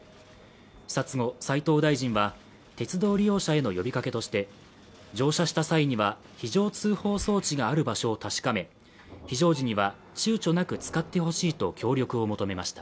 視察後、斉藤大臣は鉄道利用者への呼びかけとして乗車した際には非常通報装置がある場所を確かめ非常時にはちゅうちょなく使ってほしいと協力を求めました。